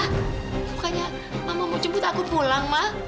bukannya mama mau jemput aku pulang ma